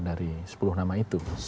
dari sepuluh nama itu